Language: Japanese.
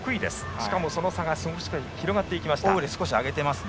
しかもその差が少し広がっています。